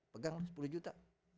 pegang sepuluh juta